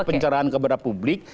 pencerahan kepada publik